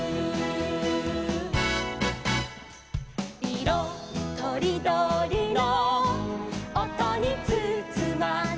「いろとりどりのおとにつつまれて」